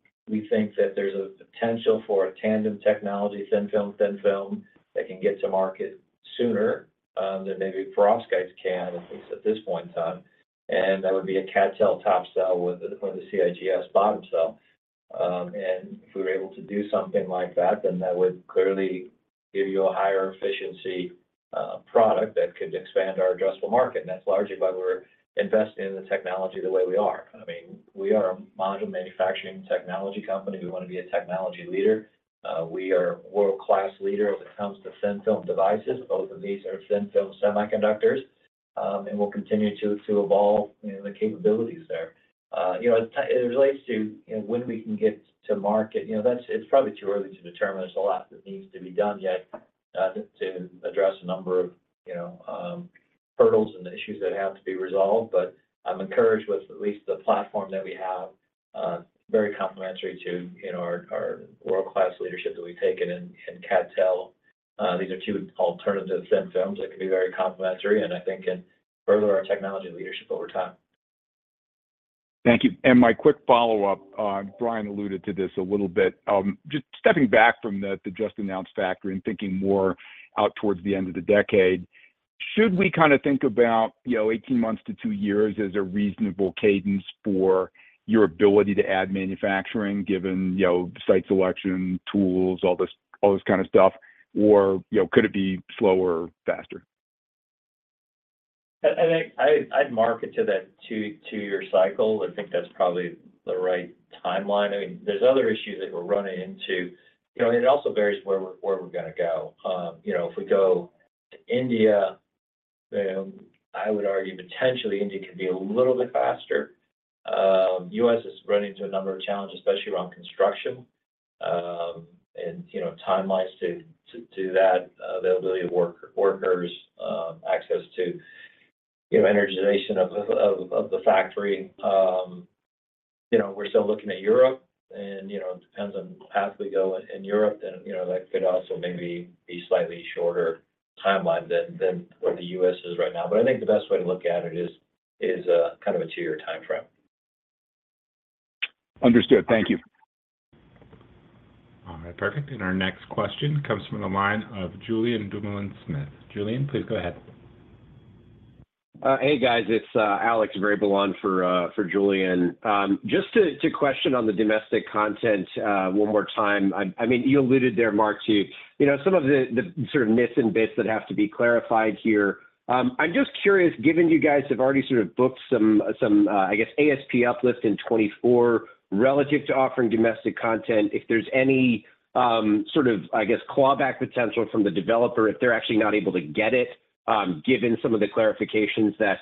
[SPEAKER 3] think that there's a potential for a tandem technology, thin-film, thin-film, that can get to market sooner than maybe perovskites can, at least at this point in time. That would be a CadTel cell, top cell with the CIGS bottom cell. If we were able to do something like that, then that would clearly give you a higher efficiency product that could expand our addressable market. That's largely why we're investing in the technology the way we are. I mean, we are a module manufacturing technology company. We want to be a technology leader. We are a world-class leader when it comes to thin-film devices. Both of these are thin-film semiconductors, and we'll continue to evolve, you know, the capabilities there. You know, as it relates to, you know, when we can get to market, you know, that's it's probably too early to determine. There's a lot that needs to be done yet, to address a number of, you know, hurdles and issues that have to be resolved. But I'm encouraged with at least the platform that we have, very complementary to, you know, our, our world-class leadership that we've taken in, in CadTel. These are two alternative thin films that can be very complementary, and I think can further our technology leadership over time.
[SPEAKER 7] Thank you. My quick follow-up, Brian alluded to this a little bit. Just stepping back from the, the just-announced factory and thinking more out towards the end of the decade, should we kind of think about, you know, 18 months to 2 years as a reasonable cadence for your ability to add manufacturing, given, you know, site selection, tools, all this, all this kind of stuff? Or, you know, could it be slower, faster?
[SPEAKER 3] I, I think I'd, I'd mark it to that 2, 2-year cycle. I think that's probably the right timeline. I mean, there's other issues that we're running into. You know, it also varies where we're going to go. You know, if we go to India, then I would argue potentially India could be a little bit faster. U.S. is running to a number of challenges, especially around construction, and, you know, timelines to do that, the ability of work-workers, access to, you know, energization of the factory. You know, we'r.e still looking at Europe and, you know, it depends on what path we go in Europe, then, you know, that could also maybe be a slightly shorter timeline than what the U.S. is right now. I think the best way to look at it is kind of a two-year timeframe.
[SPEAKER 7] Understood. Thank you.
[SPEAKER 1] All right. Perfect. Our next question comes from the line of Julian Dumoulin-Smith. Julian, please go ahead.
[SPEAKER 8] Hey, guys, it's Alex Wrobel for for Julian. Just to, to question on the domestic content one more time. I, I mean, you alluded there, Mark, to, you know, some of the, the sort of myths and bits that have to be clarified here. I'm just curious, given you guys have already sort of booked some, some, I guess, ASP uplift in 2024 relative to offering domestic content, if there's any sort of, I guess, clawback potential from the developer if they're actually not able to get it, given some of the clarifications that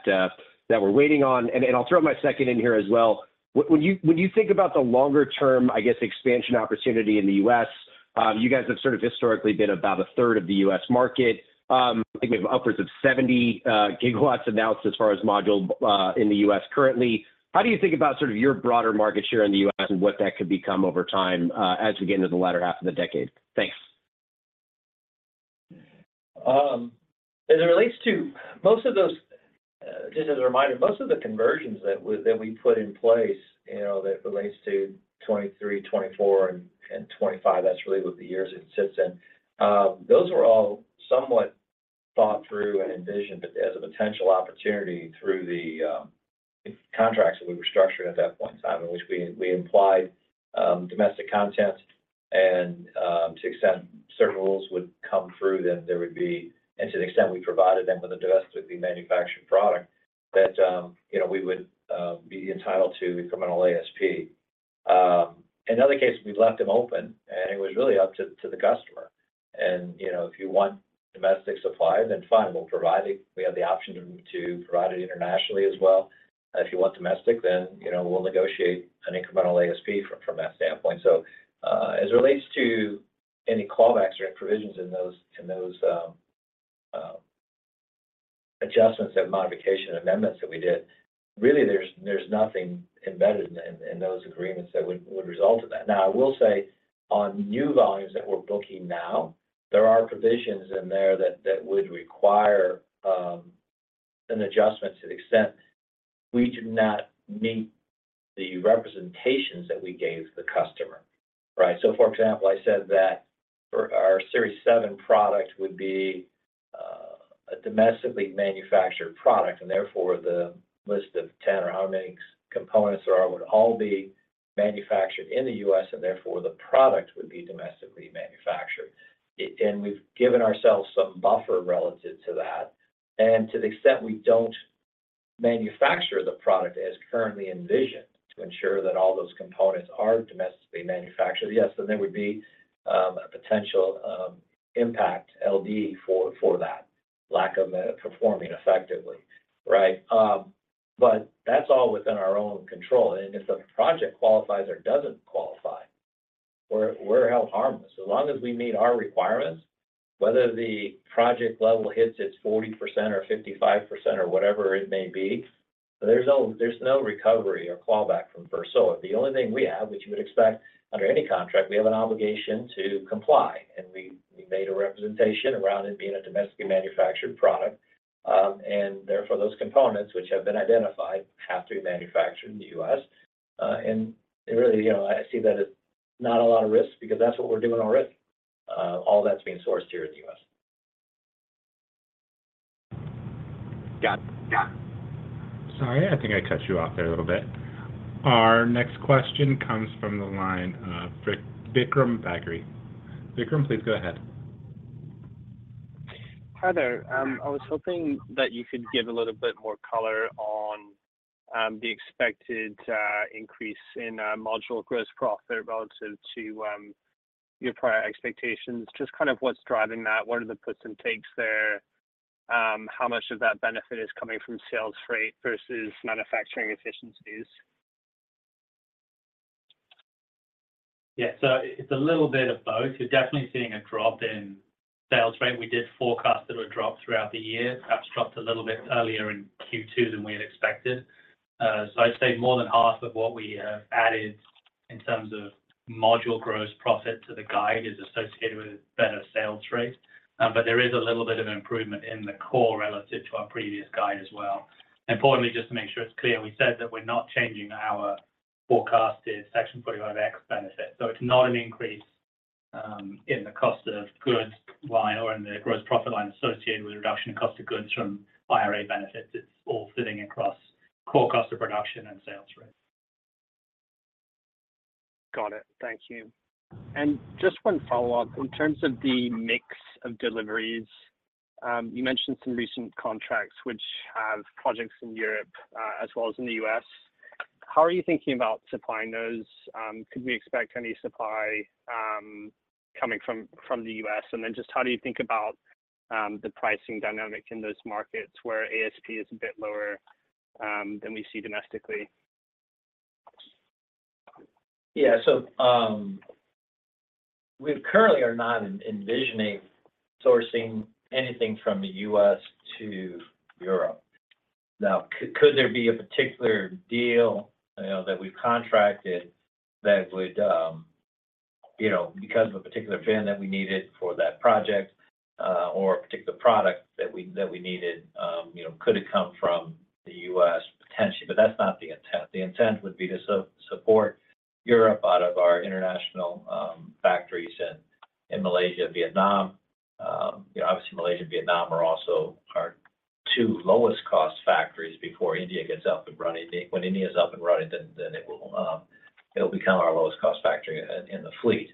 [SPEAKER 8] we're waiting on. I'll throw my second in here as well. When you, when you think about the longer term, I guess, expansion opportunity in the US, you guys have sort of historically been about a third of the US market, I think upwards of 70 GW announced as far as module, in the U.S. currently. How do you think about sort of your broader market share in the US and what that could become over time, as we get into the latter half of the decade? Thanks.
[SPEAKER 3] As it relates to most of those, just as a reminder, most of the conversions that we, that we put in place, you know, that relates to 2023, 2024, and 2025, that's really what the years it sits in. Those were all somewhat thought through and envisioned as a potential opportunity through the contracts that we were structuring at that point in time, in which we, we implied domestic content. To the extent certain rules would come through, and to the extent we provided them with a domestically manufactured product, that, you know, we would be entitled to incremental ASP. In the other case, we left them open, and it was really up to, to the customer. You know, if you want domestic supply, then fine, we'll provide it. We have the option to provide it internationally as well. If you want domestic, then, you know, we'll negotiate an incremental ASP from that standpoint. As it relates to any clawbacks or provisions in those adjustments and modification amendments that we did, really, there's nothing embedded in those agreements that would result in that. I will say on new volumes that we're booking now, there are provisions in there that would require an adjustment to the extent we do not meet the representations that we gave the customer, right? For example, I said that for our Series 7 product would be a domestically manufactured product, and therefore, the list of 10 or however many components there are would all be manufactured in the US, and therefore, the product would be domestically manufactured. We've given ourselves some buffer relative to that, and to the extent we don't manufacture the product as currently envisioned to ensure that all those components are domestically manufactured, yes, then there would be a potential impact LD for that, lack of performing effectively, right? That's all within our own control, and if the project qualifies or doesn't qualify, we're, we're held harmless. As long as we meet our requirements, whether the project level hits its 40% or 55% or whatever it may be, there's no, there's no recovery or callback from First Solar. The only thing we have, which you would expect under any contract, we have an obligation to comply, and we, we made a representation around it being a domestically manufactured product. Therefore, those components, which have been identified, have to be manufactured in the U.S. Really, you know, I see that as not a lot of risk because that's what we're doing already. All that's being sourced here in the U.S.
[SPEAKER 8] Got it. Yeah.
[SPEAKER 1] Sorry, I think I cut you off there a little bit. Our next question comes from the line of Vikram Bagri. Vikram, please go ahead.
[SPEAKER 9] Hi there. I was hoping that you could give a little bit more color on the expected increase in module gross profit relative to your prior expectations. Just kind of what's driving that? What are the puts and takes there? How much of that benefit is coming from sales rate versus manufacturing efficiencies?
[SPEAKER 3] Yeah, it's a little bit of both. We're definitely seeing a drop in sales rate. We did forecast there were drops throughout the year, perhaps dropped a little bit earlier in Q2 than we had expected. I'd say more than half of what we have added in terms of module gross profit to the guide is associated with better sales rate. There is a little bit of improvement in the core relative to our previous guide as well. Importantly, just to make sure it's clear, we said that we're not changing our forecasted Section 45X benefit, it's not an increase in the cost of goods line or in the gross profit line associated with a reduction in cost of goods from IRA benefits. It's all sitting across core cost of production and sales rate.
[SPEAKER 9] Got it. Thank you. Just one follow-up. In terms of the mix of deliveries, you mentioned some recent contracts which have projects in Europe, as well as in the U.S. How are you thinking about supplying those? Could we expect any supply coming from, from the U.S.? Just how do you think about the pricing dynamic in those markets where ASP is a bit lower than we see domestically?
[SPEAKER 3] Yeah. We currently are not envisioning sourcing anything from the U.S. to Europe. Now, could there be a particular deal, you know, that we've contracted that would, you know, because of a particular fan that we needed for that project, or a particular product that we needed, you know, could it come from the U.S.? Potentially, that's not the intent. The intent would be to support Europe out of our international factories in Malaysia, Vietnam. You know, obviously, Malaysia and Vietnam are also our two lowest cost factories before India gets up and running. When India is up and running, it will, it'll become our lowest cost factory in the fleet.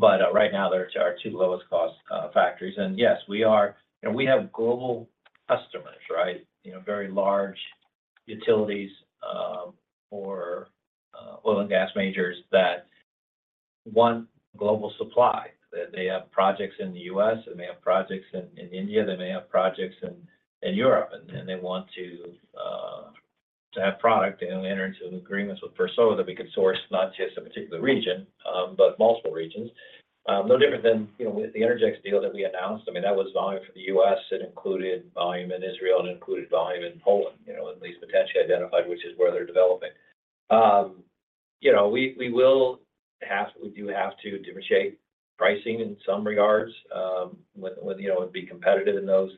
[SPEAKER 3] Right now, they're our two lowest cost factories. Yes, we are... You know, we have global customers, right? You know, very large utilities, or oil and gas majors that want global supply. That they have projects in the US, and they have projects in India, they may have projects in Europe, and they want to have product and enter into agreements with First Solar that we can source not just a particular region, but multiple regions. No different than, you know, with the Energex deal that we announced. I mean, that was volume for the U.S., it included volume in Israel, and it included volume in Poland, you know, at least potentially identified, which is where they're developing. You know, we, we will have, we do have to differentiate pricing in some regards, with, with, you know, and be competitive in those,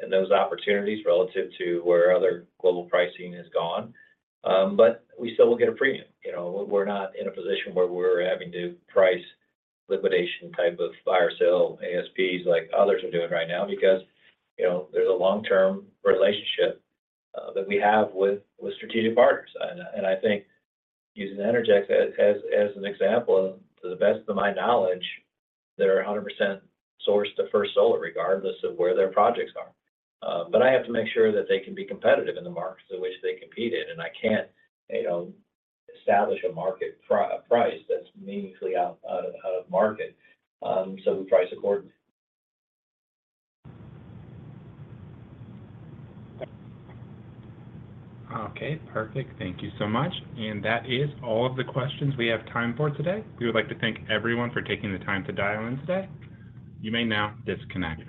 [SPEAKER 3] in those opportunities relative to where other global pricing has gone. We still will get a premium. You know, we're not in a position where we're having to price liquidation type of fire sale ASPs like others are doing right now because, you know, there's a long-term relationship that we have with, with strategic partners. And I think using Energex as, as, as an example, to the best of my knowledge, they are 100% sourced to First Solar, regardless of where their projects are. I have to make sure that they can be competitive in the markets in which they compete in, and I can't, you know, establish a market a price that's meaningfully out of market. We price accordingly.
[SPEAKER 1] Okay, perfect. Thank you so much. That is all of the questions we have time for today. We would like to thank everyone for taking the time to dial in today. You may now disconnect.